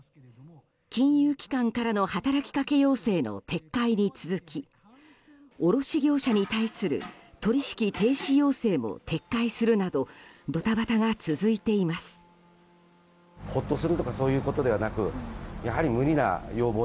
金融機関からの働きかけ要請の撤回に続き卸業者に対する取引停止要請も撤回するなどドタバタが続いています。